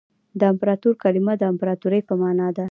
د امپریال کلمه د امپراطور په مانا ده